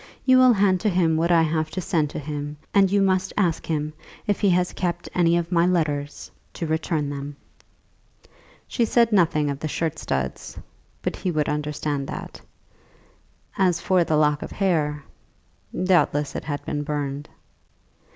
"You will hand to him what I have to send to him; and you must ask him, if he has kept any of my letters, to return them." She said nothing of the shirt studs, but he would understand that. As for the lock of hair, doubtless it had been burned.